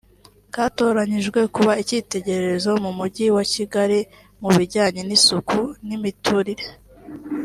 katoranyijwe kuba icyitegererezo mu Mujyi wa Kigali mu bijyanye n’isuku n’imiturire